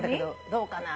どうかな？